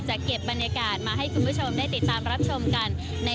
เก็บบรรยากาศมาให้คุณผู้ชมได้ติดตามรับชมกัน